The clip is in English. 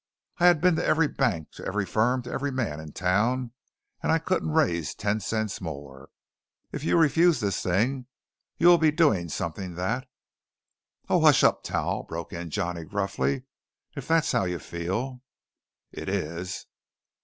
I had been to every bank, to every firm, to every man in town, and I couldn't raise ten cents more. If you refuse this thing, you will be doing something that " "Oh, hush up, Tal!" broke in Johnny gruffly; "if that's how you feel " "It is."